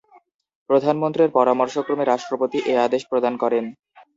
প্রধানমন্ত্রীর পরামর্শক্রমে রাষ্ট্রপতি এ আদেশ প্রদান করেন।